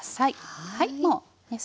はい。